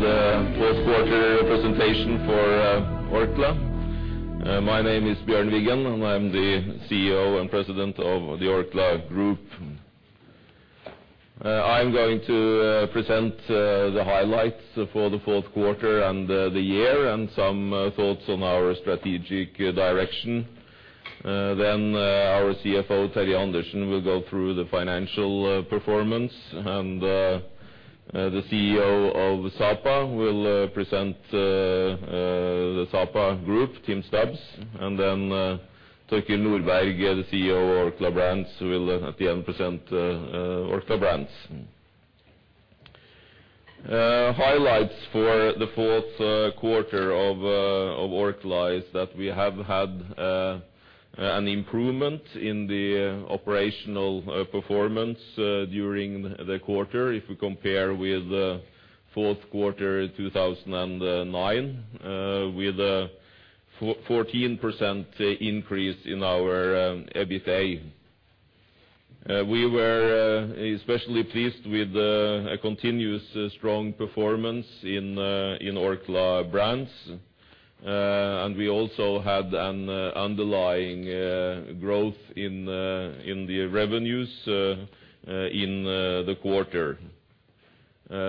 into the fourth quarter presentation for Orkla. My name is Bjørn Wiggen, and I'm the CEO and President of the Orkla Group. I'm going to present the highlights for the fourth quarter and the year, and some thoughts on our strategic direction. Our CFO, Terje Andersen, will go through the financial performance, and the CEO of Sapa will present the Sapa Group, Tim Stubbs. Torkild Nordberg, the CEO of Orkla Brands, will at the end present Orkla Brands. Highlights for the fourth quarter of Orkla is that we have had an improvement in the operational performance during the quarter if we compare with fourth quarter 2009, with a 14% increase in our EBITA. We were especially pleased with a continuous strong performance in Orkla Brands. We also had an underlying growth in the revenues in the quarter.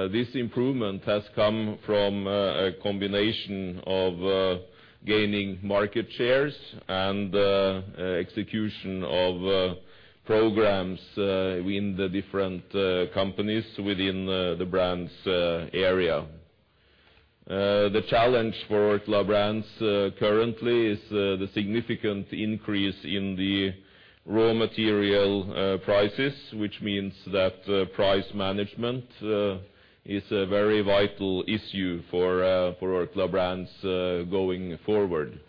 This improvement has come from a combination of gaining market shares and execution of programs in the different companies within the brands area. The challenge for Orkla Brands currently is the significant increase in the raw material prices, which means that price management is a very vital issue for Orkla Brands going forward.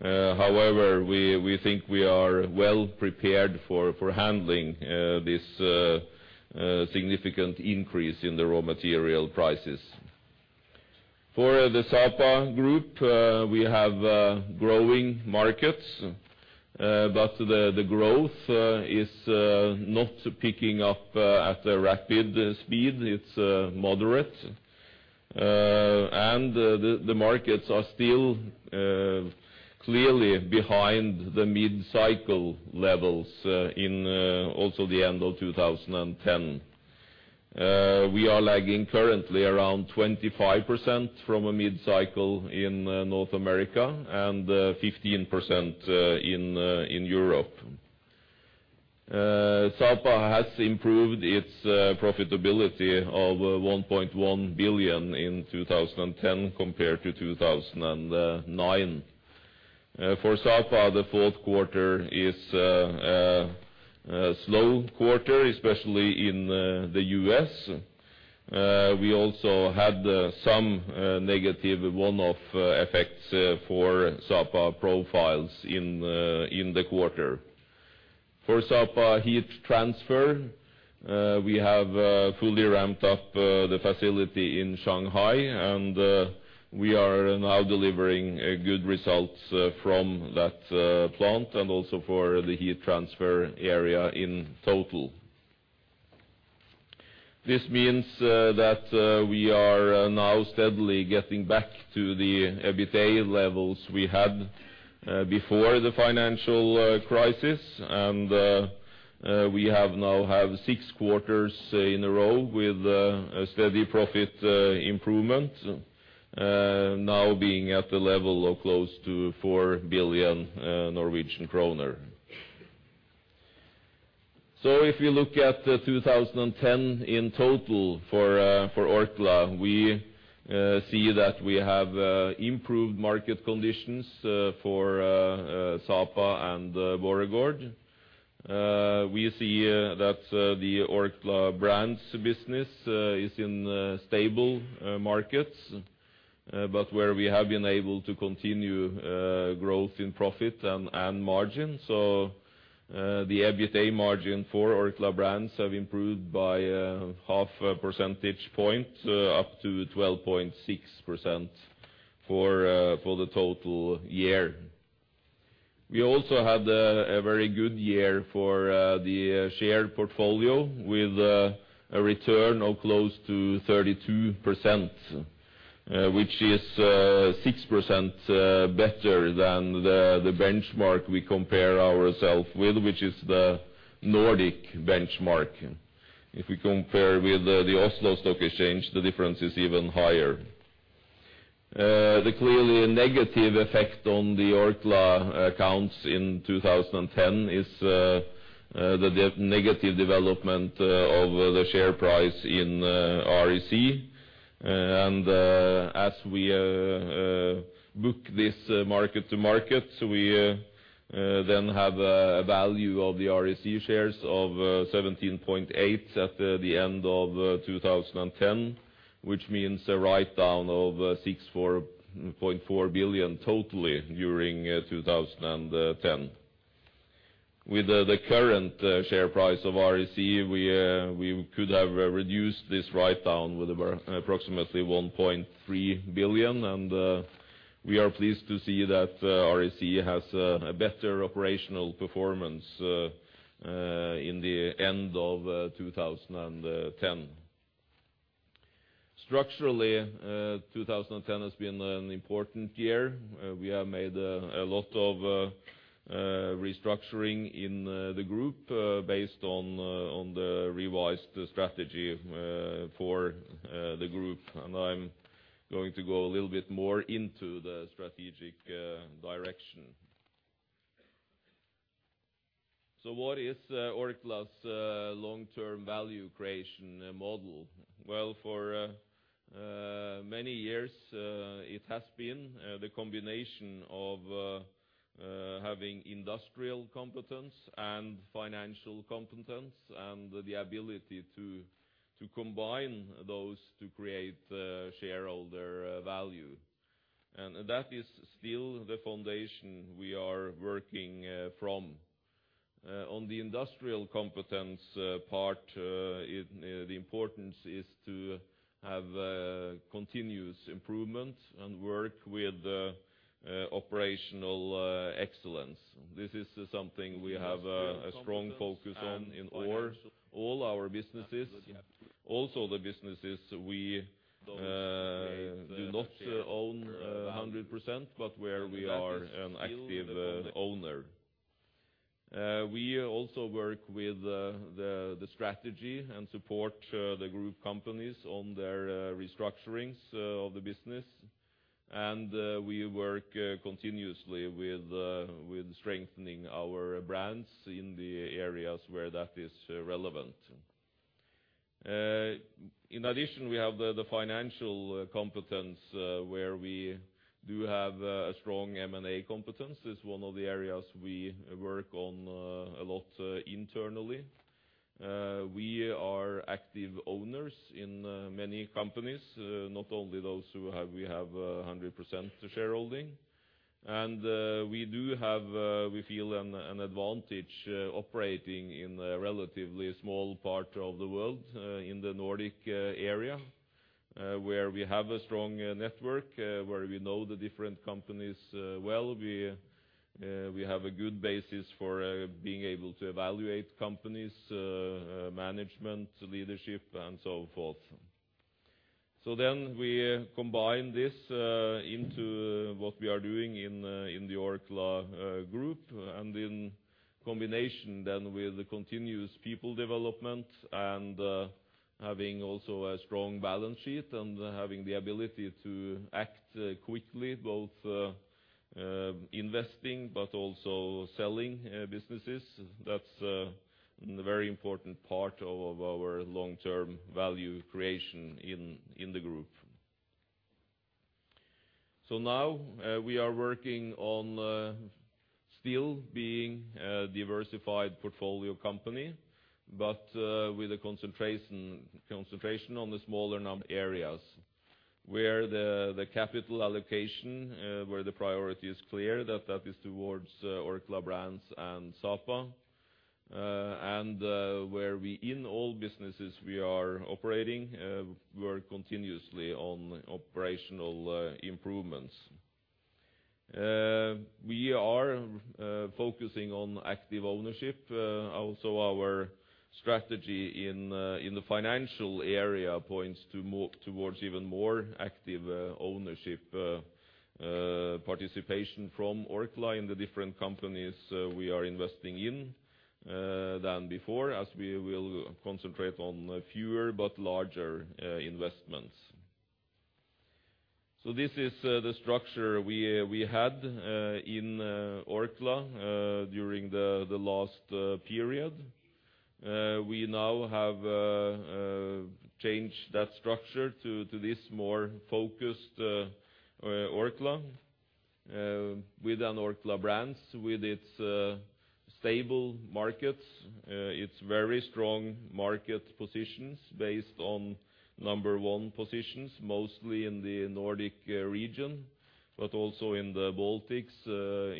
However, we think we are well-prepared for handling this significant increase in the raw material prices. For the Sapa group, we have growing markets. The growth is not picking up at a rapid speed. It's moderate. The markets are still clearly behind the mid-cycle levels in also the end of 2010. We are lagging currently around 25% from a mid-cycle in North America, and 15% in Europe. Sapa has improved its profitability of 1.1 billion in 2010 compared to 2009. For Sapa, the fourth quarter is a slow quarter, especially in the U.S. We also had some negative one-off effects for Sapa Profiles in the quarter. For Sapa Heat Transfer, we have fully ramped up the facility in Shanghai, and we are now delivering good results from that plant, and also for the heat transfer area in total. This means that we are now steadily getting back to the EBITA levels we had before the financial crisis. We have now six quarters in a row with a steady profit improvement, now being at the level of close to 4 billion Norwegian kroner. If you look at the 2010 in total for Orkla, we see that we have improved market conditions for Sapa and Borregaard. We see that the Orkla Brands business is in stable markets, but where we have been able to continue growth in profit and margin. The EBITA margin for Orkla Brands have improved by half a percentage point up to 12.6% for the total year. We also had a very good year for the share portfolio, with a return of close to 32%, which is 6% better than the benchmark we compare ourself with, which is the Nordic benchmark. If we compare with the Oslo Stock Exchange, the difference is even higher. The clearly negative effect on the Orkla accounts in 2010 is the negative development of the share price in REC. As we book this market to market, so we then have a value of the REC shares of 17.8 billion at the end of 2010, which means a write-down of 64.4 billion totally during 2010. With the current share price of REC, we could have reduced this write-down with approximately 1.3 billion. We are pleased to see that REC has a better operational performance in the end of 2010. Structurally, 2010 has been an important year. We have made a lot of restructuring in the group based on the revised strategy for the group. I'm going to go a little bit more into the strategic direction. What is Orkla's long-term value creation model? Well, for many years, it has been the combination of having industrial competence and financial competence, and the ability to combine those to create shareholder value. That is still the foundation we are working from. On the industrial competence part, the importance is to have continuous improvement and work with operational excellence. This is something we have a strong focus on in all our businesses. Also, the businesses we do not own 100%, but where we are an active owner. We also work with the strategy and support the group companies on their restructurings of the business. We work continuously with strengthening our brands in the areas where that is relevant. In addition, we have the financial competence, where we do have a strong M&A competence. It's one of the areas we work on a lot internally. We are active owners in many companies, not only those who have we have 100% shareholding. We do have, we feel, an advantage operating in a relatively small part of the world, in the Nordic area, where we have a strong network, where we know the different companies well. We have a good basis for being able to evaluate companies' management, leadership, and so forth. We combine this into what we are doing in the Orkla group, and in combination then with the continuous people development, and having also a strong balance sheet, and having the ability to act quickly, both investing, but also selling businesses. That's a very important part of our long-term value creation in the group. Now, we are working on still being a diversified portfolio company, but with a concentration on the smaller number areas, where the capital allocation, where the priority is clear, that that is towards Orkla Brands and Sapa. Where we, in all businesses we are operating, work continuously on operational improvements. We are focusing on active ownership. Also our strategy in the financial area points towards even more active ownership participation from Orkla in the different companies we are investing in than before, as we will concentrate on fewer but larger investments. This is the structure we had in Orkla during the last period. We now have changed that structure to this more focused Orkla within Orkla Brands, with its stable markets, its very strong market positions based on number one positions, mostly in the Nordic region, but also in the Baltics,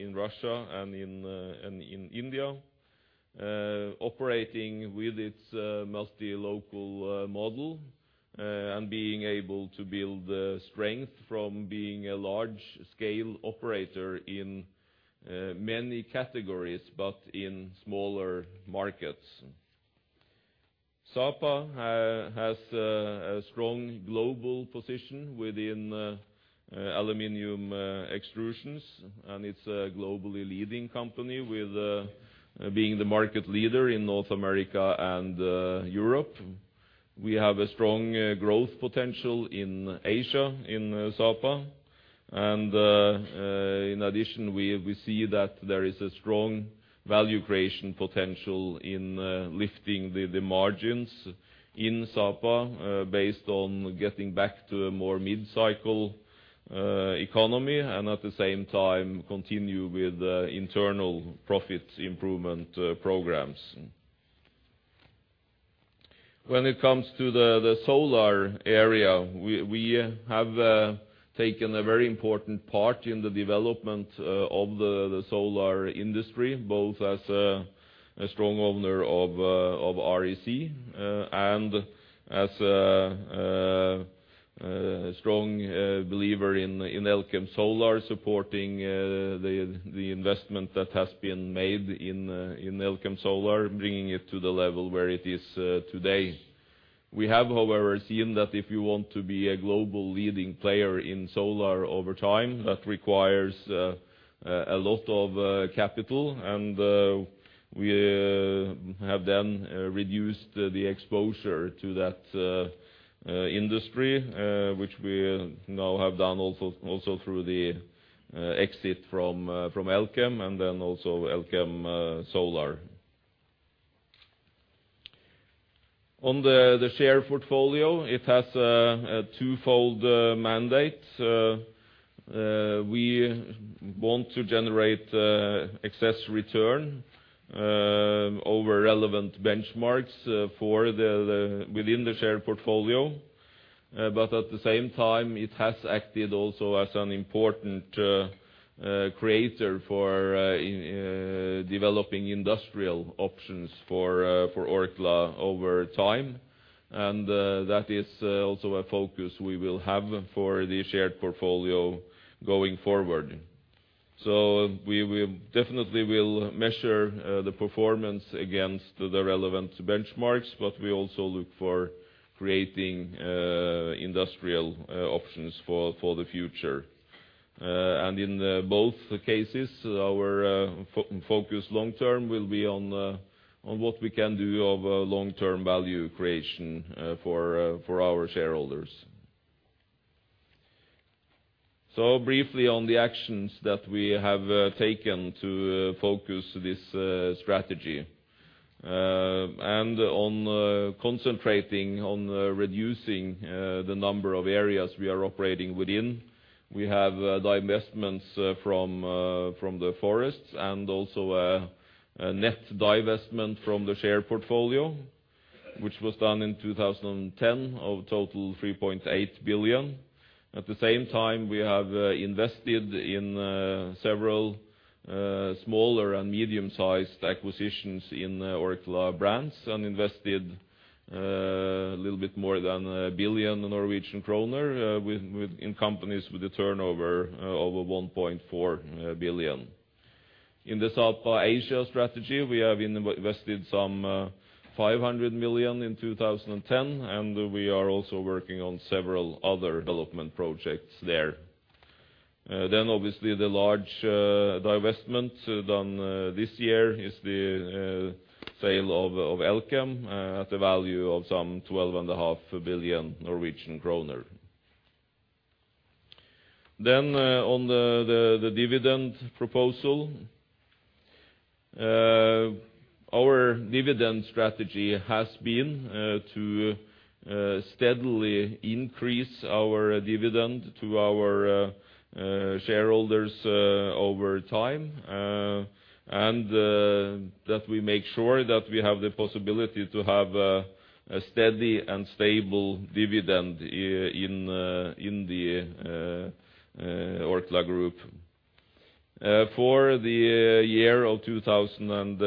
in Russia, and in India. Operating with its mostly local model, and being able to build strength from being a large-scale operator in many categories, but in smaller markets. Sapa has a strong global position within aluminum extrusions, and it's a globally leading company with being the market leader in North America and Europe. We have a strong growth potential in Asia, in Sapa. In addition, we see that there is a strong value creation potential in lifting the margins in Sapa, based on getting back to a more mid-cycle economy, and at the same time, continue with the internal profit improvement programs. When it comes to the solar area, we have taken a very important part in the development of the solar industry, both as a strong owner of REC, and as a strong believer in Elkem Solar, supporting the investment that has been made in Elkem Solar, bringing it to the level where it is today. We have, however, seen that if you want to be a global leading player in solar over time, that requires a lot of capital. We have then reduced the exposure to that industry, which we now have done also through the exit from Elkem, and then also Elkem Solar. On the share portfolio, it has a twofold mandate. We want to generate excess return over relevant benchmarks for within the share portfolio. At the same time, it has acted also as an important creator for developing industrial options for Orkla over time. That is also a focus we will have for the shared portfolio going forward. Definitely will measure the performance against the relevant benchmarks, but we also look for creating industrial options for the future. In both cases, our focus long term will be on what we can do of long-term value creation for our shareholders. Briefly, on the actions that we have taken to focus this strategy, and on concentrating on reducing the number of areas we are operating within, we have divestments from the forests, and also a net divestment from the share portfolio, which was done in 2010 of total 3.8 billion. At the same time, we have invested in several smaller and medium-sized acquisitions in Orkla Brands, and invested a little bit more than 1 billion Norwegian kroner in companies with a turnover over 1.4 billion. In the South Asia strategy, we have invested some 500 million in 2010, and we are also working on several other development projects there. Obviously, the large divestment done this year is the sale of Elkem at the value of some 12.5 billion Norwegian kroner. On the dividend proposal. Our dividend strategy has been to steadily increase our dividend to our shareholders over time, and that we make sure that we have the possibility to have a steady and stable dividend in the Orkla Group. For the year of 2010,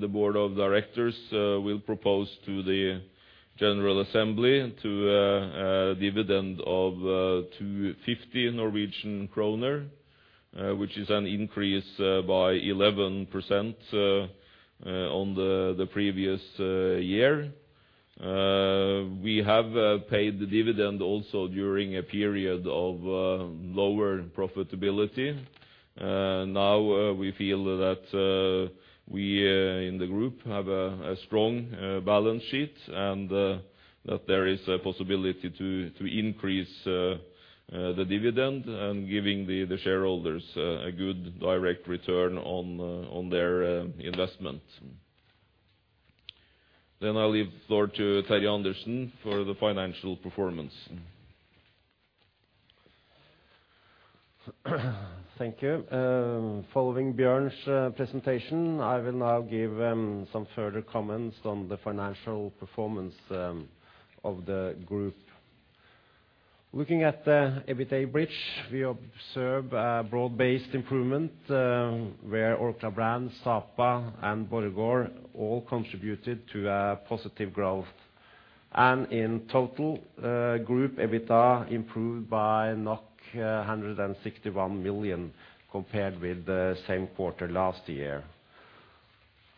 the board of directors will propose to the general assembly to a dividend of 2.50 billion Norwegian kroner, which is an increase by 11% on the previous year. We have paid the dividend also during a period of lower profitability. Now, we feel that we in the group have a strong balance sheet, and that there is a possibility to increase the dividend, and giving the shareholders a good direct return on their investment. I'll leave the floor to Terje Andersen for the financial performance. Thank you. Following Bjørn's presentation, I will now give some further comments on the financial performance of the group. Looking at the EBITA bridge, we observe a broad-based improvement, where Orkla Brands, Sapa, and Borregaard all contributed to a positive growth. In total, group EBITA improved by 161 million compared with the same quarter last year.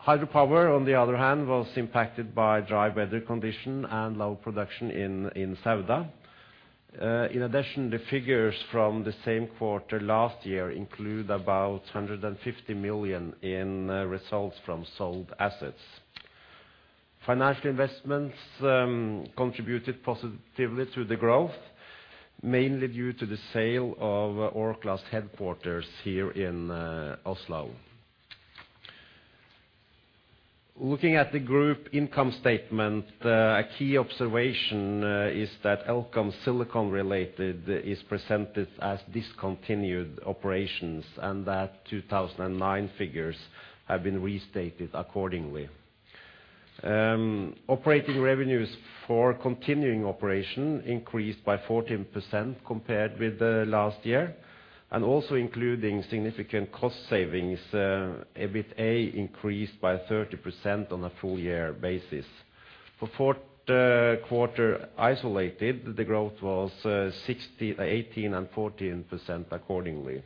Hydropower, on the other hand, was impacted by dry weather condition and low production in Sauda. In addition, the figures from the same quarter last year include about 150 million in results from sold assets. Financial investments contributed positively to the growth, mainly due to the sale of Orkla's headquarters here in Oslo. Looking at the group income statement, a key observation is that Elkem Silicon related is presented as discontinued operations, and that 2009 figures have been restated accordingly. Operating revenues for continuing operation increased by 14% compared with the last year, and also including significant cost savings, EBITA increased by 30% on a full year basis. For fourth quarter isolated, the growth was 60%, 18% and 14% accordingly.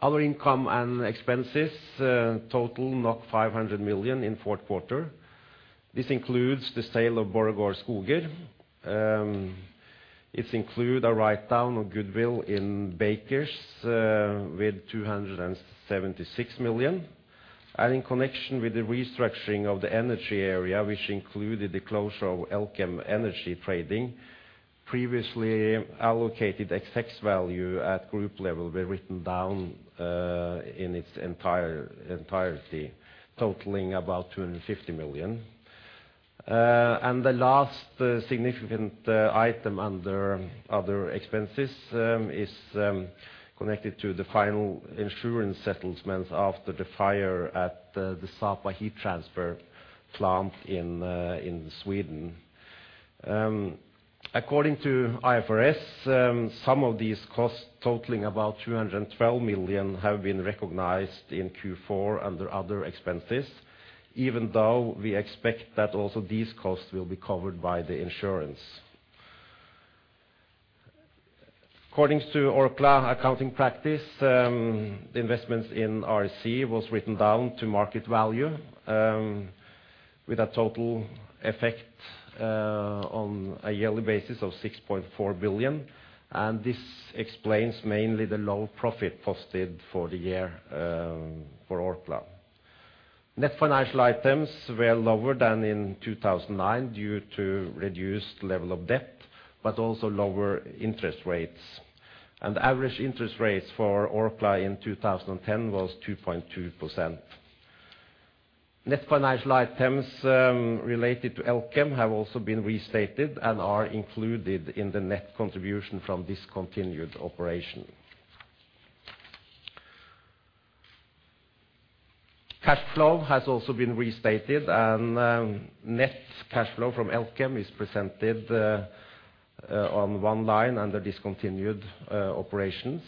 Other income and expenses total 500 million in fourth quarter. This includes the sale of Borregaard Skoger. It include a write-down of goodwill in Bakers with 276 million. In connection with the restructuring of the energy area, which included the closure of Elkem Energi trading, previously allocated tax value at group level were written down in its entirety, totaling about 250 million. The last significant item under other expenses is connected to the final insurance settlements after the fire at the Sapa Heat Transfer plant in Sweden. According to IFRS, some of these costs, totaling about 212 million, have been recognized in Q4 under other expenses, even though we expect that also these costs will be covered by the insurance. According to Orkla accounting practice, the investments in REC was written down to market value, with a total effect on a yearly basis of 6.4 billion. This explains mainly the low profit posted for the year for Orkla. Net financial items were lower than in 2009, due to reduced level of debt, but also lower interest rates. Average interest rates for Orkla in 2010 was 2.2%. Net financial items related to Elkem have also been restated and are included in the net contribution from discontinued operation. Cash flow has also been restated. Net cash flow from Elkem is presented on one line under discontinued operations.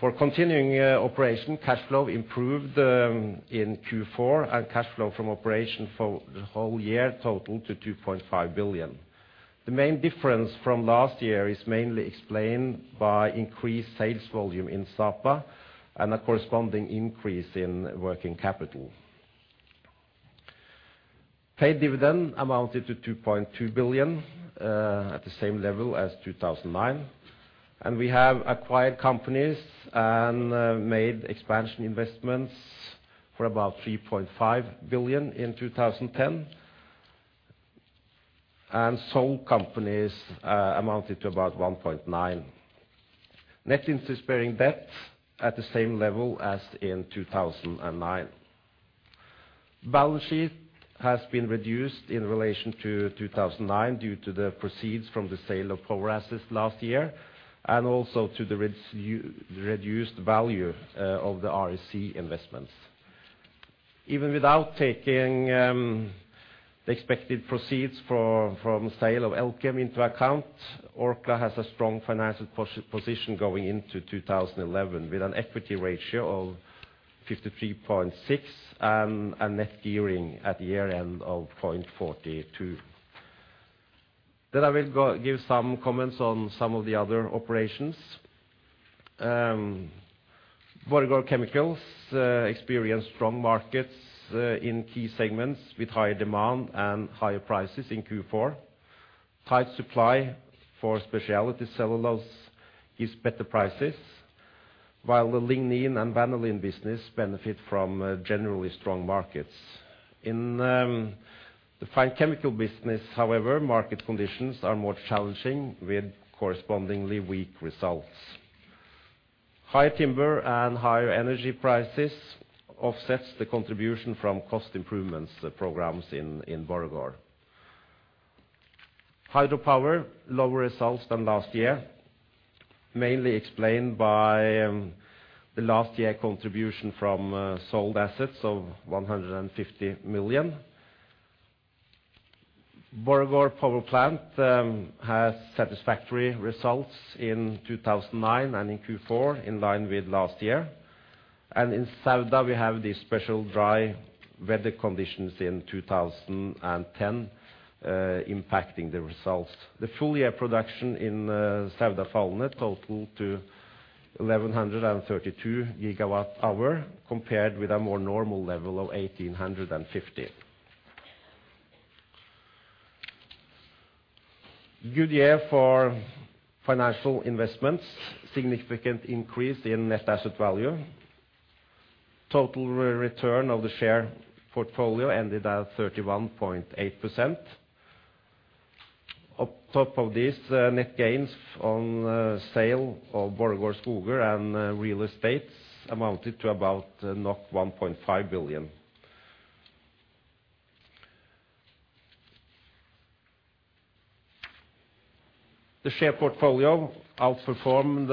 For continuing operation, cash flow improved in Q4. Cash flow from operation for the whole year totaled to 2.5 billion. The main difference from last year is mainly explained by increased sales volume in Sapa, and a corresponding increase in working capital. Paid dividend amounted to 2.2 billion at the same level as 2009, and we have acquired companies and made expansion investments for about 3.5 billion in 2010. Sold companies amounted to about 1.9 billion. Net interest-bearing debt at the same level as in 2009. Balance sheet has been reduced in relation to 2009, due to the proceeds from the sale of power assets last year, and also to the reduced value of the REC investments. Even without taking the expected proceeds from sale of Elkem into account, Orkla has a strong financial position going into 2011, with an equity ratio of 53.6%, and a net gearing at the year-end of 0.42%. I will give some comments on some of the other operations. Borregaard Chemicals experienced strong markets in key segments, with higher demand and higher prices in Q4. Tight supply for specialty cellulose gives better prices, while the lignin and vanillin business benefit from generally strong markets. In the fine chemical business, however, market conditions are more challenging, with correspondingly weak results. Higher timber and higher energy prices offsets the contribution from cost improvements, the programs in Borregaard. Hydropower, lower results than last year, mainly explained by the last year contribution from sold assets of 150 million. Borregaard power plant has satisfactory results in 2009 and in Q4, in line with last year. In Sauda, we have the special dry weather conditions in 2010, impacting the results. The full year production in Saudefaldene totaled to 1,132 GWh, compared with a more normal level of 1,850 GWh. Good year for financial investments. Significant increase in net asset value. Total return of the share portfolio ended at 31.8%. On top of this, net gains on sale of Borregaard Skoger and real estates amounted to about NOK 1.5 billion. The share portfolio outperformed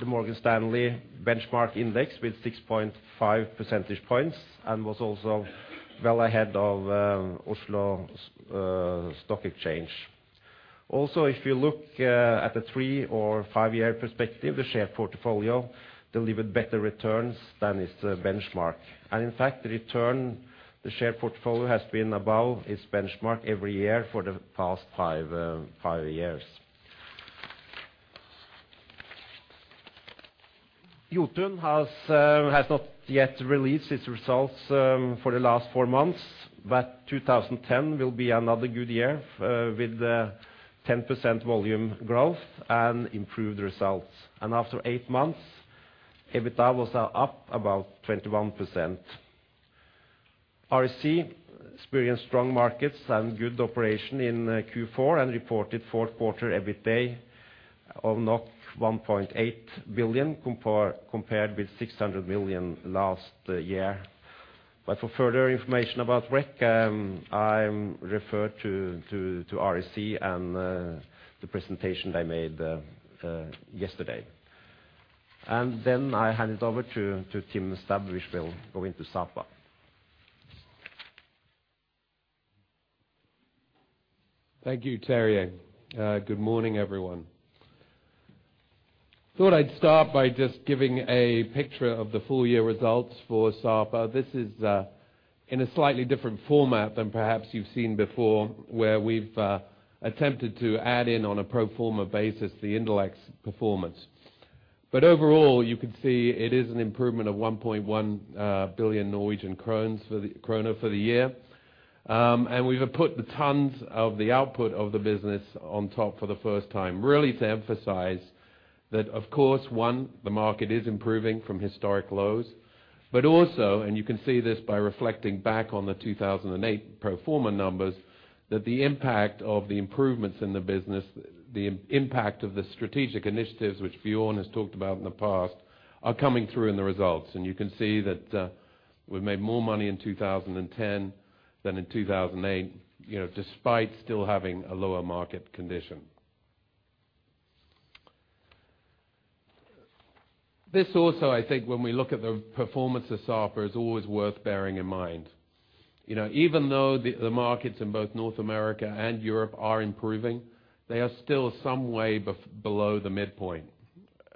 the Morgan Stanley benchmark index with 6.5 percentage points, and was also well ahead of Oslo Stock Exchange. If you look at the three or five-year perspective, the share portfolio delivered better returns than its benchmark. In fact, the return the share portfolio has been above its benchmark every year for the past five years. Jotun has not yet released its results for the last 4 months. 2010 will be another good year with 10% volume growth and improved results. After 8 months, EBITDA was up about 21%. REC experienced strong markets and good operation in Q4, and reported fourth quarter EBITA of 1.8 billion compared with 600 million last year. For further information about REC, I refer to REC and the presentation they made yesterday. Then I hand it over to Tim Stubbs, which will go into Sapa. Thank you, Terje. Good morning, everyone. Thought I'd start by just giving a picture of the full year results for Sapa. This is, in a slightly different format than perhaps you've seen before, where we've attempted to add in on a pro forma basis, the Indalex performance. Overall, you can see it is an improvement of 1.1 billion Norwegian kroner for the year. We've put the tons of the output of the business on top for the first time, really to emphasize that, of course, one, the market is improving from historic lows, but also, you can see this by reflecting back on the 2008 pro forma numbers, that the impact of the improvements in the business, the impact of the strategic initiatives, which Bjørn has talked about in the past, are coming through in the results. You can see that we've made more money in 2010 than in 2008, you know, despite still having a lower market condition. This also, I think, when we look at the performance of Sapa, is always worth bearing in mind. You know, even though the markets in both North America and Europe are improving, they are still some way below the midpoint.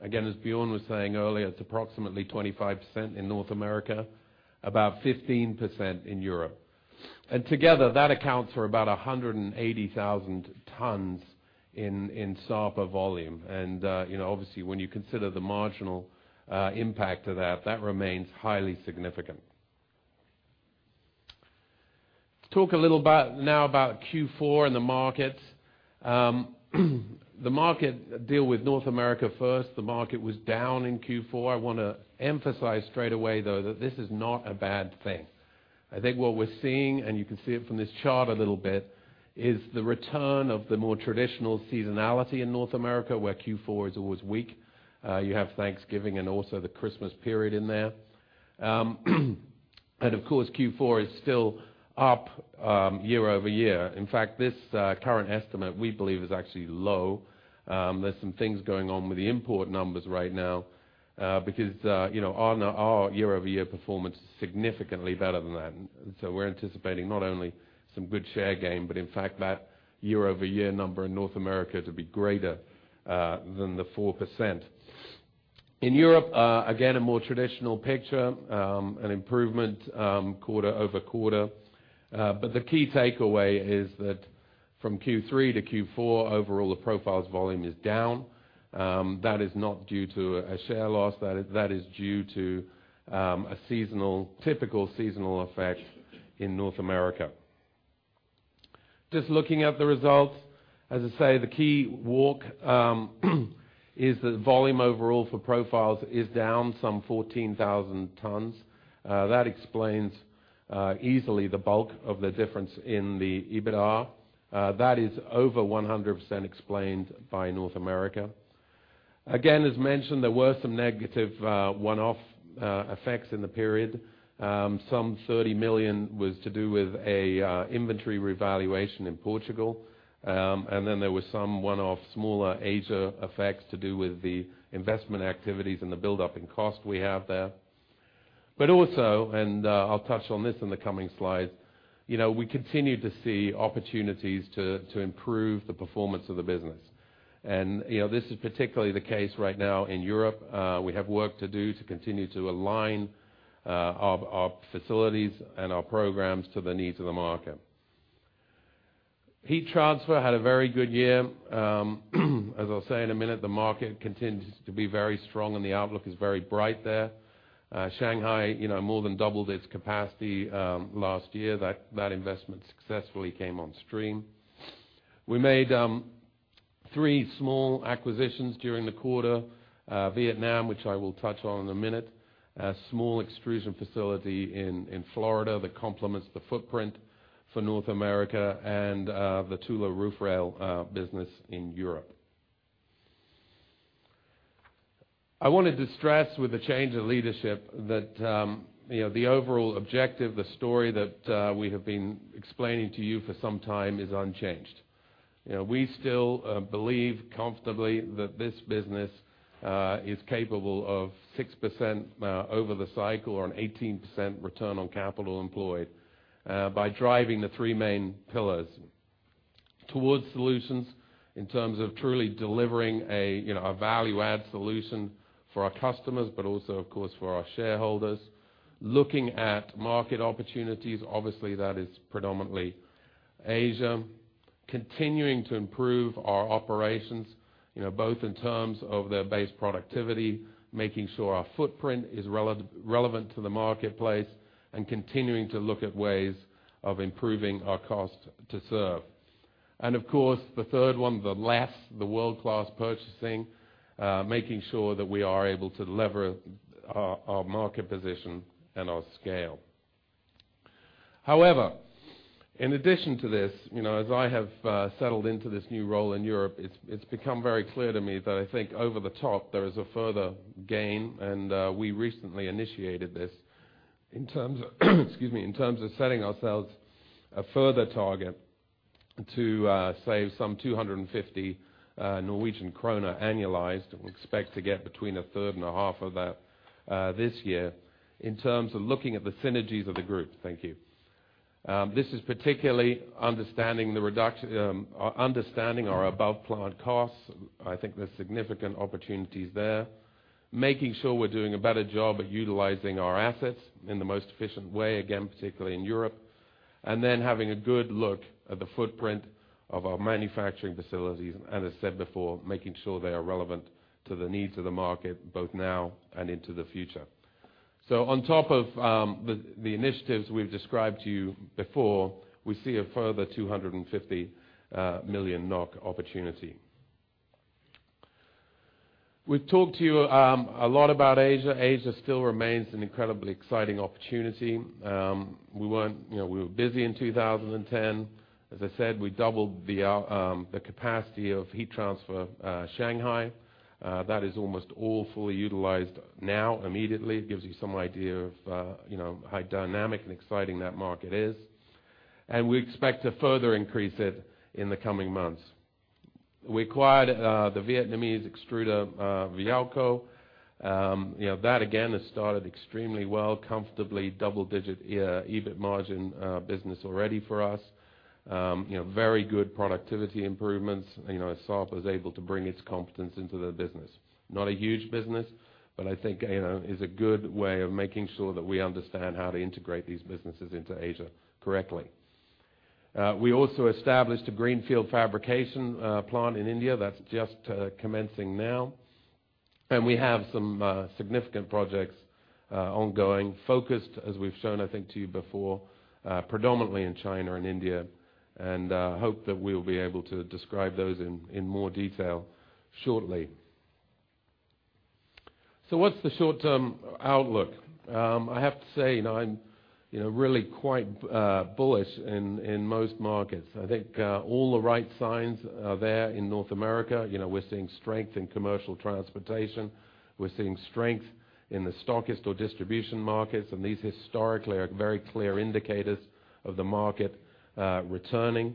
Again, as Bjorn was saying earlier, it's approximately 25% in North America, about 15% in Europe. Together, that accounts for about 180,000 tons in Sapa volume. You know, obviously, when you consider the marginal impact of that remains highly significant. Let's talk a little now about Q4 and the markets. Deal with North America first. The market was down in Q4. I wanna emphasize straight away, though, that this is not a bad thing. I think what we're seeing, and you can see it from this chart a little bit, is the return of the more traditional seasonality in North America, where Q4 is always weak. You have Thanksgiving and also the Christmas period in there. Of course, Q4 is still up year-over-year. In fact, this current estimate, we believe, is actually low. There's some things going on with the import numbers right now, because, you know, our year-over-year performance is significantly better than that. We're anticipating not only some good share gain, but in fact, that year-over-year number in North America to be greater than the 4%. In Europe, again, a more traditional picture, an improvement quarter-over-quarter. The key takeaway is that from Q3 to Q4, overall, the profiles volume is down. That is not due to a share loss, that is due to a seasonal, typical seasonal effect in North America. Just looking at the results, as I say, the key walk, is that volume overall for profiles is down some 14,000 tons. That explains easily the bulk of the difference in the EBITA. That is over 100% explained by North America. Again, as mentioned, there were some negative one-off effects in the period. Some 30 million was to do with a inventory revaluation in Portugal. There was some one-off smaller Asia effects to do with the investment activities and the buildup in cost we have there. Also, I'll touch on this in the coming slides, you know, we continue to see opportunities to improve the performance of the business. You know, this is particularly the case right now in Europe. We have work to do to continue to align, our facilities and our programs to the needs of the market. Heat Transfer had a very good year. As I'll say in a minute, the market continues to be very strong, and the outlook is very bright there. Shanghai, you know, more than doubled its capacity last year. That investment successfully came on stream. We made three small acquisitions during the quarter. Vietnam, which I will touch on in a minute, a small extrusion facility in Florida that complements the footprint for North America, and the Thule Roof Rail business in Europe. I wanted to stress with the change in leadership that, you know, the overall objective, the story that we have been explaining to you for some time, is unchanged. You know, we still believe comfortably that this business is capable of 6% over the cycle or an 18% return on capital employed by driving the three main pillars towards solutions in terms of truly delivering a, you know, a value-add solution for our customers, but also, of course, for our shareholders. Looking at market opportunities, obviously, that is predominantly Asia. Continuing to improve our operations, you know, both in terms of their base productivity, making sure our footprint is relevant to the marketplace, and continuing to look at ways of improving our cost to serve. Of course, the third one, the last, the world-class purchasing, making sure that we are able to lever our market position and our scale. However, in addition to this, you know, as I have settled into this new role in Europe, it's become very clear to me that I think over the top there is a further gain, and we recently initiated this in terms of, excuse me, in terms of setting ourselves a further target to save some 250 million Norwegian krone annualized. We expect to get between a third and a half of that this year in terms of looking at the synergies of the group. Thank you. This is particularly understanding the reduction, understanding our above-plan costs. I think there's significant opportunities there. Making sure we're doing a better job at utilizing our assets in the most efficient way, again, particularly in Europe. Having a good look at the footprint of our manufacturing facilities, and as I said before, making sure they are relevant to the needs of the market, both now and into the future. On top of the initiatives we've described to you before, we see a further 250 million NOK opportunity. We've talked to you a lot about Asia. Asia still remains an incredibly exciting opportunity. You know, we were busy in 2010. As I said, we doubled the capacity of Heat Transfer, Shanghai. That is almost all fully utilized now, immediately. It gives you some idea of, you know, how dynamic and exciting that market is, and we expect to further increase it in the coming months. We acquired the Vietnamese extruder, Vijalco. You know, that again, has started extremely well, comfortably double-digit EBIT margin business already for us. You know, very good productivity improvements. You know, Sapa was able to bring its competence into the business. Not a huge business, but I think, you know, is a good way of making sure that we understand how to integrate these businesses into Asia correctly. We also established a greenfield fabrication plant in India. That's just commencing now, and we have some significant projects ongoing, focused, as we've shown, I think, to you before, predominantly in China and India, and hope that we'll be able to describe those in more detail shortly. What's the short-term outlook? I have to say, you know, I'm, you know, really quite bullish in most markets. I think, all the right signs are there in North America. You know, we're seeing strength in commercial transportation. We're seeing strength in the stocks or distribution markets. These historically are very clear indicators of the market returning.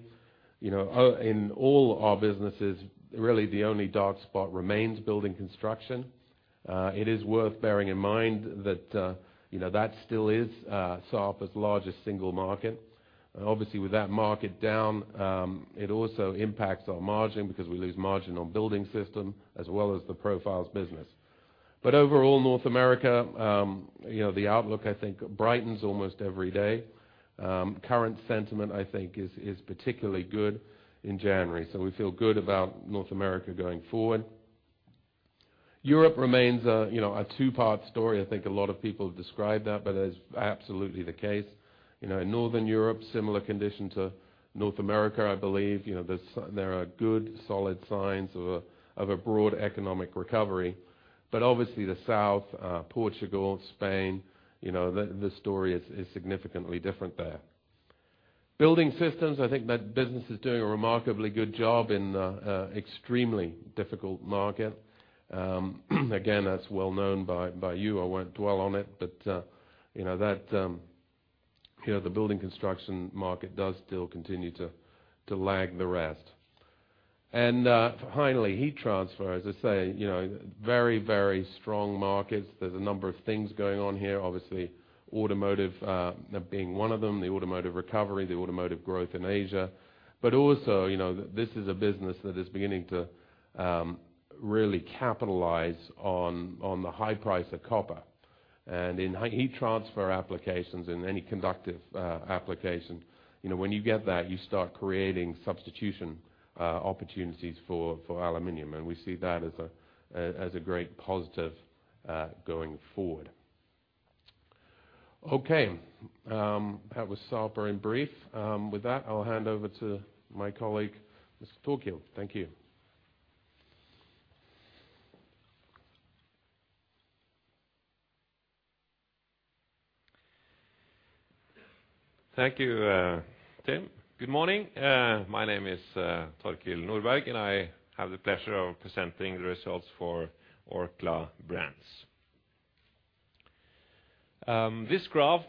You know, in all our businesses, really, the only dark spot remains building construction. It is worth bearing in mind that, you know, that still is Sapa's largest single market. Obviously, with that market down, it also impacts our margin, because we lose margin on building system as well as the profiles business. Overall, North America, you know, the outlook, I think, brightens almost every day. Current sentiment, I think, is particularly good in January, so we feel good about North America going forward. Europe remains a, you know, a two-part story. I think a lot of people have described that, but that is absolutely the case. You know, in Northern Europe, similar condition to North America, I believe. You know, there are good, solid signs of a broad economic recovery, but obviously the South, Portugal, Spain, you know, the story is significantly different there. Building systems, I think that business is doing a remarkably good job in a extremely difficult market. Again, that's well known by you. I won't dwell on it, but, you know, that, you know, the building construction market does still continue to lag the rest. Finally, Heat Transfer, as I say, you know, very strong markets. There's a number of things going on here. Obviously, automotive, being one of them, the automotive recovery, the automotive growth in Asia. Also, you know, this is a business that is beginning to really capitalize on the high price of copper. In high heat transfer applications, in any conductive application, you know, when you get that, you start creating substitution opportunities for aluminum, and we see that as a great positive going forward. Okay, that was Sapa in brief. With that, I'll hand over to my colleague, Mr. Torkil. Thank you. Thank you, Tim. Good morning. My name is Torkild Nordberg, and I have the pleasure of presenting the results for Orkla Brands. This graph,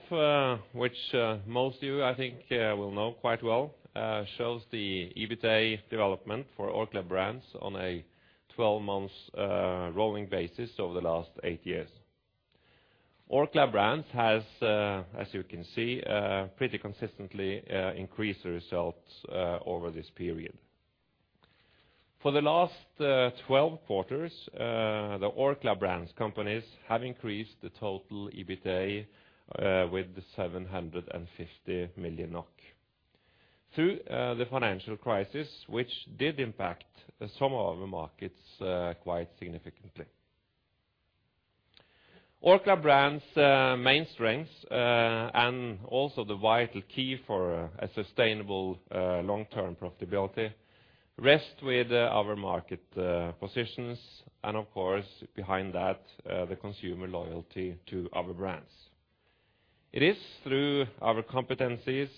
which most of you, I think, will know quite well, shows the EBITA development for Orkla Brands on a 12-months rolling basis over the last 8 years. Orkla Brands has, as you can see, pretty consistently increased the results over this period. For the last 12 quarters, the Orkla Brands companies have increased the total EBITA with 750 million NOK. Through the financial crisis, which did impact some of our markets quite significantly. Orkla Brands main strengths and also the vital key for a sustainable long-term profitability, rest with our market positions, and of course, behind that, the consumer loyalty to our brands. It is through our competencies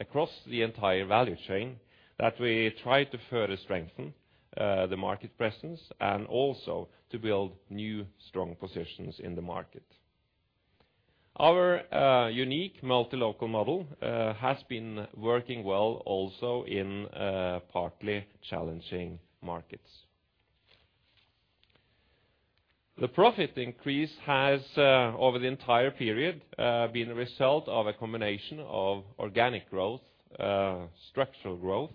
across the entire value chain, that we try to further strengthen the market presence and also to build new, strong positions in the market. Our unique multi-local model has been working well also in partly challenging markets. The profit increase has over the entire period been a result of a combination of organic growth, structural growth,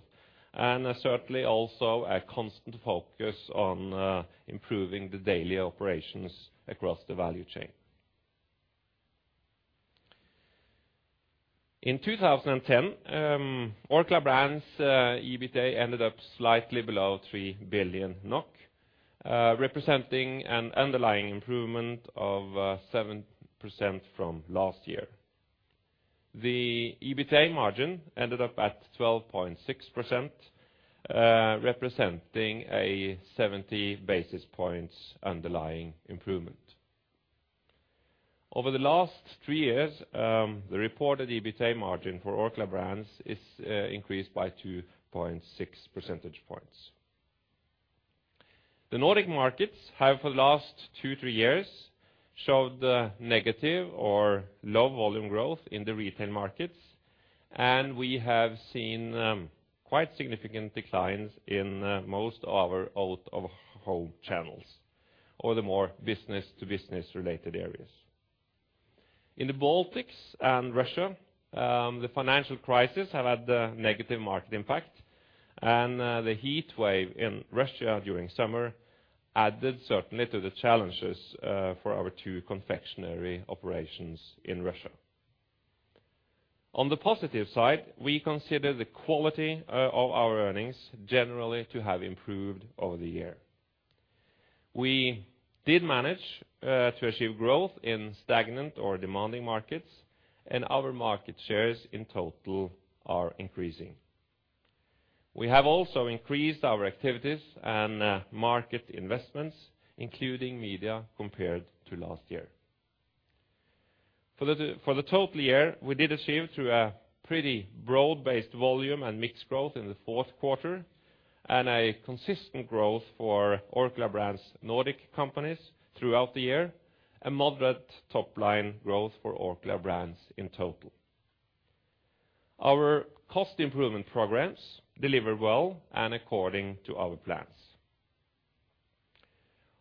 and certainly also a constant focus on improving the daily operations across the value chain. In 2010, Orkla Brands EBITA ended up slightly below 3 billion NOK, representing an underlying improvement of 7% from last year. The EBITA margin ended up at 12.6%, representing a 70 basis points underlying improvement. Over the last three years, the reported EBITA margin for Orkla Brands is, increased by 2.6 percentage points. The Nordic markets have, for the last two, three years, showed negative or low volume growth in the retail markets, and we have seen quite significant declines in most of our out-of-home channels, or the more business-to-business related areas. In the Baltics and Russia, the financial crisis have had a negative market impact, and the heat wave in Russia during summer added certainly to the challenges, for our two confectionery operations in Russia. On the positive side, we consider the quality of our earnings generally to have improved over the year. We did manage to achieve growth in stagnant or demanding markets, and our market shares in total are increasing. We have also increased our activities and market investments, including media, compared to last year. For the total year, we did achieve through a pretty broad-based volume and mixed growth in the fourth quarter, and a consistent growth for Orkla Brands Nordic companies throughout the year, a moderate top-line growth for Orkla Brands in total. Our cost improvement programs delivered well and according to our plans.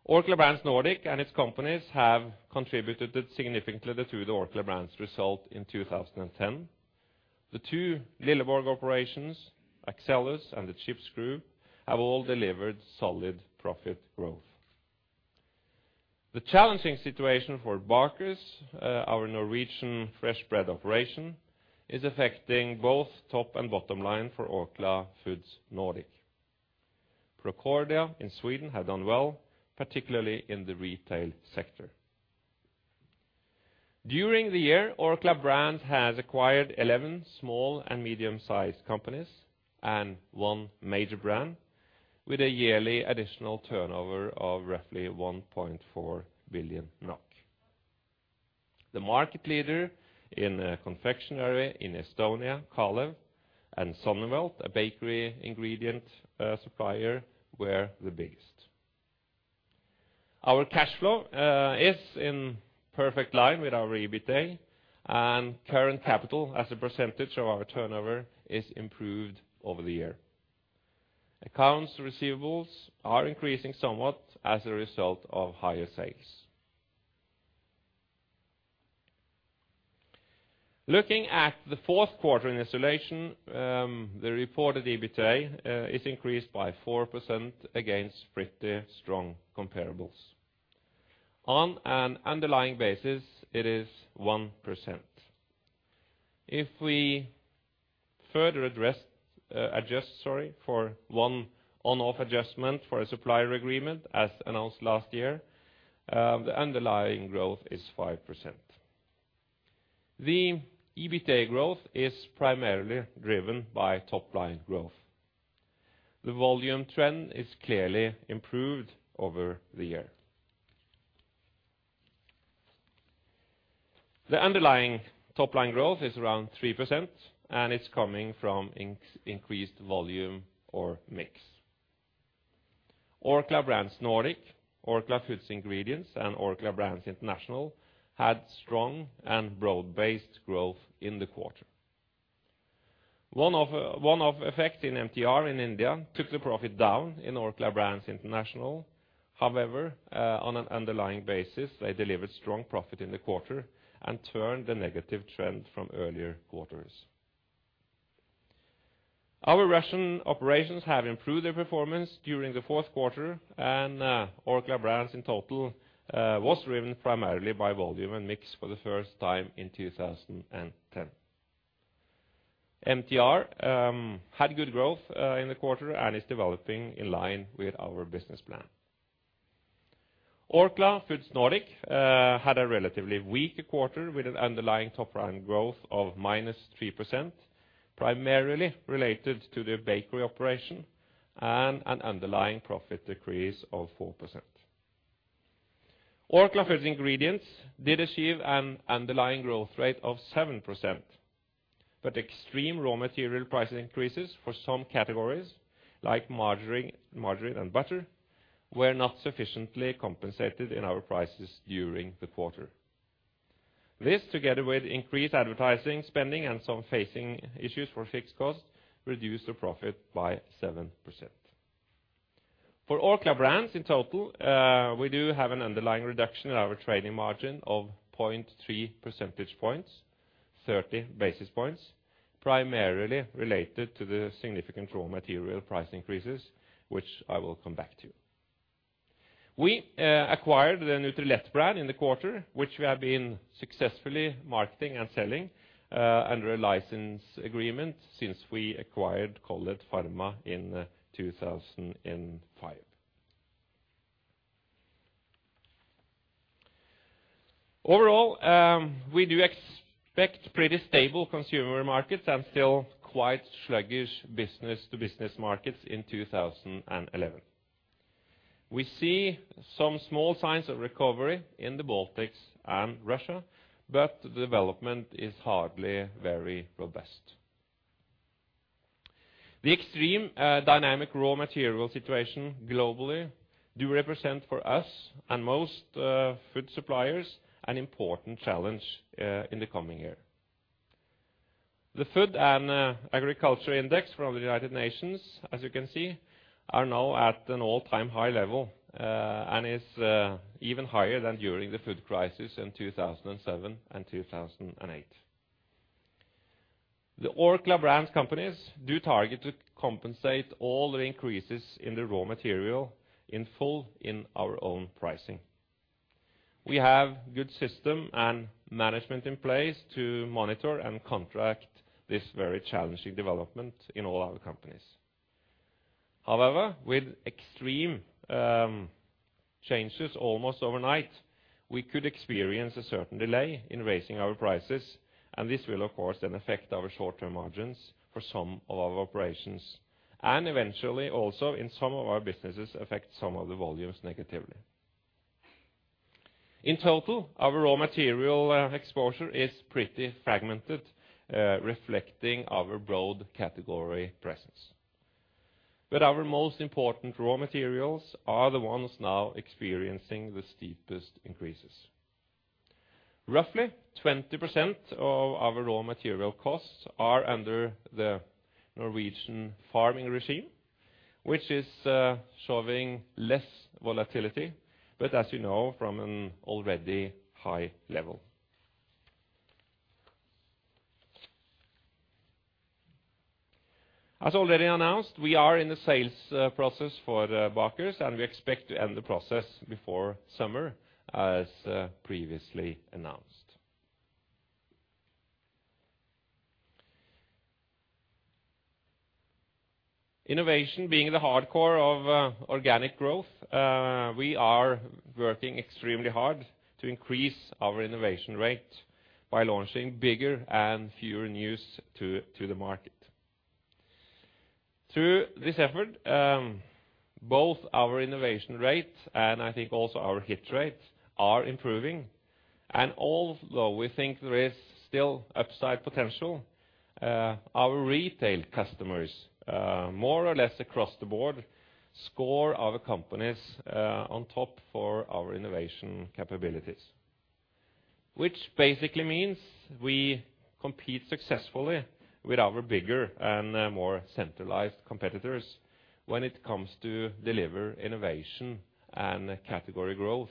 Orkla Brands Nordic and its companies have contributed significantly to the Orkla Brands result in 2010. The two Lilleborg operations, Axellus and the Chips have all delivered solid profit growth. The challenging situation for Bakers, our Norwegian fresh bread operation, is affecting both top and bottom line for Orkla Foods Nordic. Procordia in Sweden have done well, particularly in the retail sector. During the year, Orkla Brands has acquired 11 small and medium-sized companies and 1 major brand, with a yearly additional turnover of roughly 1.4 billion NOK. The market leader in confectionery in Estonia, Kalev, and Sonneveld, a bakery ingredient supplier, were the biggest. Our cash flow is in perfect line with our EBITA, and current capital as a % of our turnover is improved over the year. Accounts receivables are increasing somewhat as a result of higher sales. Looking at the fourth quarter in isolation, the reported EBITA is increased by 4% against pretty strong comparables. On an underlying basis, it is 1%. If we further adjust, sorry, for 1 on/off adjustment for a supplier agreement, as announced last year, the underlying growth is 5%. The EBITA growth is primarily driven by top-line growth. The volume trend is clearly improved over the year. The underlying top-line growth is around 3%, and it's coming from increased volume or mix. Orkla Brands Nordic, Orkla Food Ingredients, and Orkla Brands International had strong and broad-based growth in the quarter. One effect in MTR in India took the profit down in Orkla Brands International. However, on an underlying basis, they delivered strong profit in the quarter and turned the negative trend from earlier quarters. Our Russian operations have improved their performance during the fourth quarter, and Orkla Brands in total was driven primarily by volume and mix for the first time in 2010. MTR had good growth in the quarter and is developing in line with our business plan. Orkla Foods Nordic had a relatively weak quarter with an underlying top line growth of -3%, primarily related to their bakery operation and an underlying profit decrease of 4%. Orkla Foods Ingredients did achieve an underlying growth rate of 7%, extreme raw material price increases for some categories, like margarine, and butter, were not sufficiently compensated in our prices during the quarter. This, together with increased advertising spending and some facing issues for fixed costs, reduced the profit by 7%. For Orkla Brands in total, we do have an underlying reduction in our trading margin of 0.3 percentage points, 30 basis points, primarily related to the significant raw material price increases, which I will come back to. We acquired the Nutrilett brand in the quarter, which we have been successfully marketing and selling under a license agreement since we acquired Collett Pharma in 2005. Overall, we do expect pretty stable consumer markets and still quite sluggish business-to-business markets in 2011. We see some small signs of recovery in the Baltics and Russia, the development is hardly very robust. The extreme dynamic raw material situation globally do represent for us and most food suppliers, an important challenge in the coming year. The Food and Agriculture Index from the United Nations, as you can see, are now at an all-time high level and is even higher than during the food crisis in 2007 and 2008. The Orkla Brands companies do target to compensate all the increases in the raw material in full in our own pricing. We have good system and management in place to monitor and contract this very challenging development in all our companies. With extreme changes almost overnight, we could experience a certain delay in raising our prices, and this will, of course, then affect our short-term margins for some of our operations, and eventually also in some of our businesses, affect some of the volumes negatively. In total, our raw material exposure is pretty fragmented, reflecting our broad category presence. Our most important raw materials are the ones now experiencing the steepest increases. Roughly 20% of our raw material costs are under the Norwegian farming regime, which is showing less volatility, but as you know, from an already high level. As already announced, we are in the sales process for Bakers, and we expect to end the process before summer, as previously announced. Innovation being the hard core of organic growth, we are working extremely hard to increase our innovation rate by launching bigger and fewer news to the market. Through this effort, both our innovation rate and I think also our hit rate, are improving, and although we think there is still upside potential, our retail customers, more or less across the board, score our companies on top for our innovation capabilities. Which basically means we compete successfully with our bigger and more centralized competitors when it comes to deliver innovation and category growth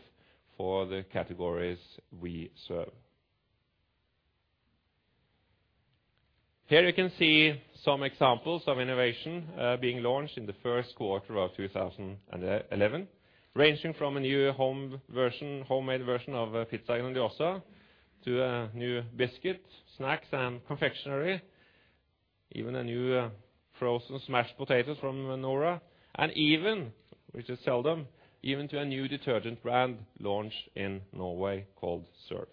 for the categories we serve. Here you can see some examples of innovation, being launched in the first quarter of 2011, ranging from a new home version, homemade version of Pizza Grandiosa, to a new biscuit, snacks, and confectionery, even a new frozen mashed potatoes from Nora, and even, which is seldom, even to a new detergent brand launched in Norway called Surf.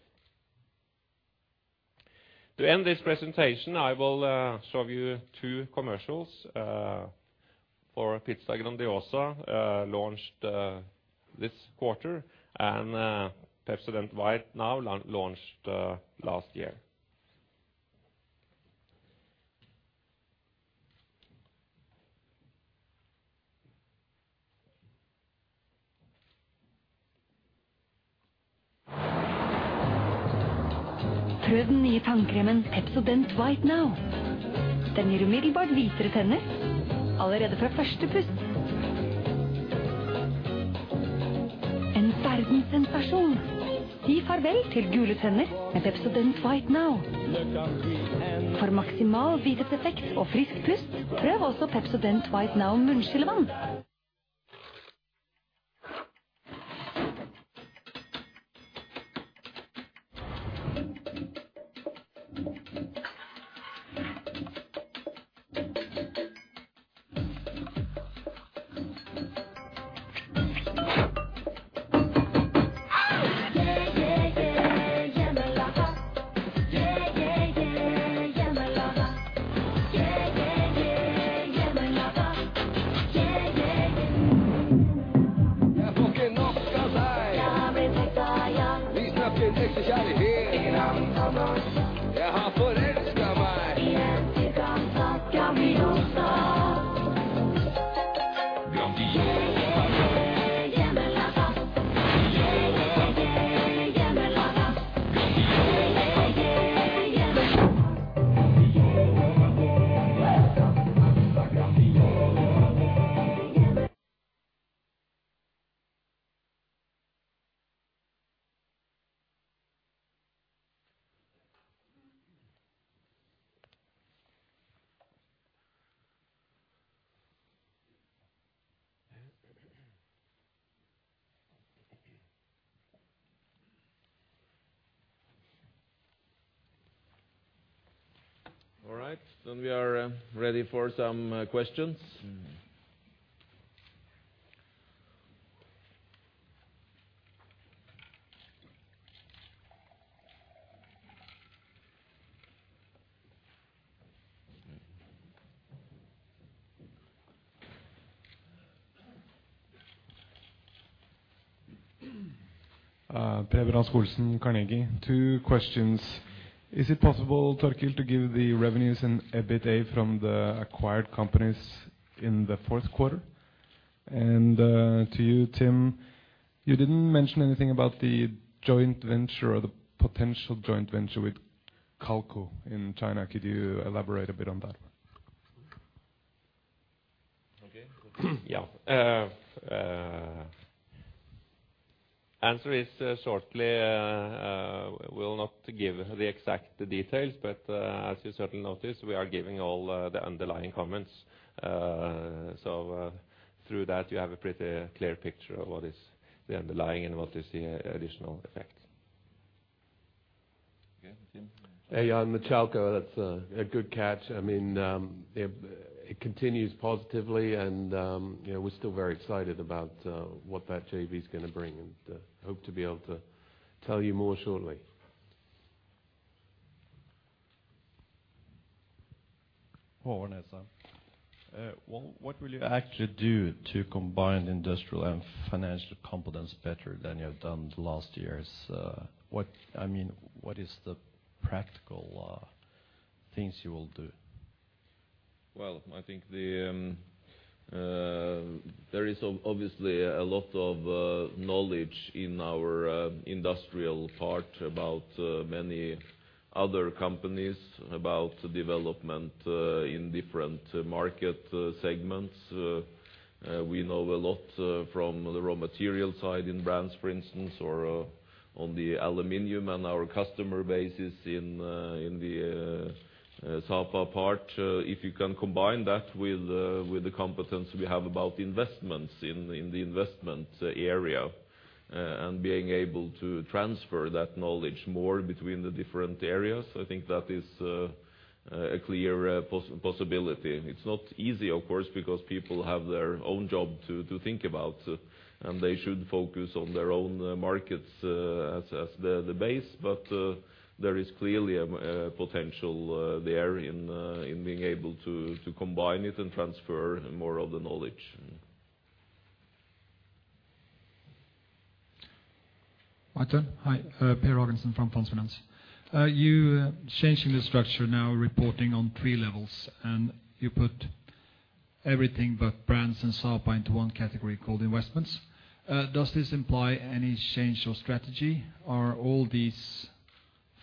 To end this presentation, I will show you two commercials for Pizza Grandiosa, launched this quarter, and Pepsodent White Now launched last year. Try the new Pepsodent White Now toothpaste. It gives you immediately whiter teeth, already from the first brush. En verdenssensasjon! Si farvel til gule tenner med Pepsodent White Now. For maksimal hvithetseffekt og friskt pust, prøv også Pepsodent White Now munnskyllevann. All right, we are ready for some questions? Preben Rasch-Olsen, Carnegie. Two questions: Is it possible, Torkild, to give the revenues and EBITA from the acquired companies in the fourth quarter? To you, Tim, you didn't mention anything about the joint venture or the potential joint venture with Chalco in China. Could you elaborate a bit on that? Okay. Yeah. Answer is shortly, we will not give the exact details, but as you certainly notice, we are giving all the underlying comments. Through that, you have a pretty clear picture of what is the underlying and what is the additional effect. Okay, Tim? Hey, on the Chalco, that's a good catch. I mean, it continues positively, and, you know, we're still very excited about what that JV is going to bring, and hope to be able to tell you more shortly. Pål Wibe, well, what will you actually do to combine industrial and financial competence better than you have done the last years? I mean, what is the practical things you will do? Well, I think there is obviously a lot of knowledge in our industrial part about many other companies, about development in different market segments. We know a lot from the raw material side in brands, for instance, or on the aluminum and our customer bases in the Sapa part. If you can combine that with the competence we have about investments in the investment area, and being able to transfer that knowledge more between the different areas, I think that is a clear possibility. It's not easy, of course, because people have their own job to think about, and they should focus on their own markets, as the base. There is clearly a potential there in in being able to combine it and transfer more of the knowledge. My turn? Hi, Per Røhmes from Fondsfinans. You are changing the structure now, reporting on 3 levels, and you put everything but brands and Sapa into one category called investments. Does this imply any change or strategy? Are all these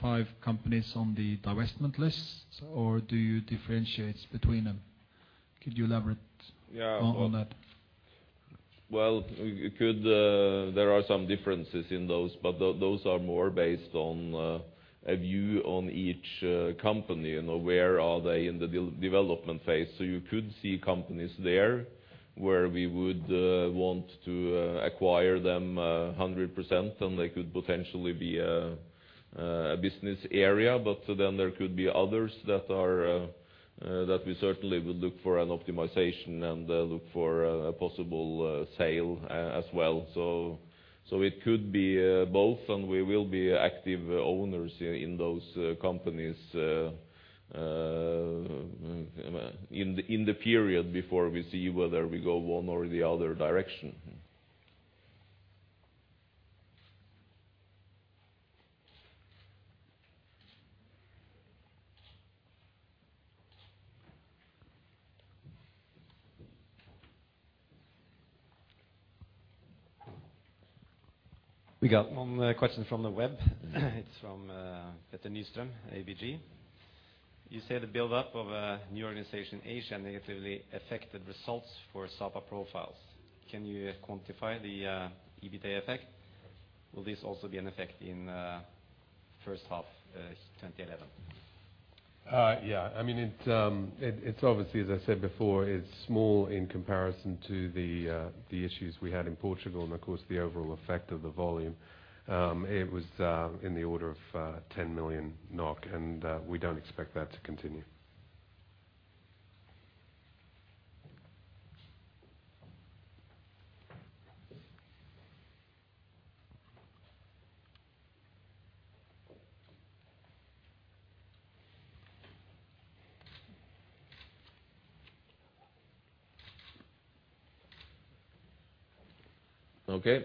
five companies on the divestment list, or do you differentiate between them? Could you elaborate- Yeah. on that? Well, you could. There are some differences in those, but those are more based on a view on each company and where are they in the development phase. You could see companies there where we would want to acquire them 100%, and they could potentially be a business area. There could be others that are that we certainly would look for an optimization and look for a possible sale as well. It could be both, and we will be active owners in those companies in the period before we see whether we go one or the other direction. We got one question from the web. It's from Peter Nyström, ABG. You say the build-up of a new organization in Asia negatively affected results for Sapa Profiles. Can you quantify the EBITA effect? Will this also be an effect in first half 2011? Yeah. I mean, it's obviously, as I said before, it's small in comparison to the issues we had in Portugal and, of course, the overall effect of the volume. It was in the order of 10 million NOK, and we don't expect that to continue. Okay.